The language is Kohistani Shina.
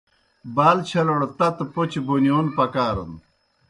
بال چھلوڑ تتہ پوْچہ بونِیون پکارَن۔